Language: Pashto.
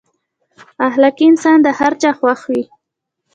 اخلاقي انسان د هر چا خوښ وي.